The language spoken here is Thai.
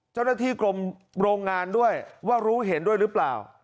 เจ้าหน้าที่กรมโรงงานด้วยว่ารู้เห็นด้วยหรือเปล่า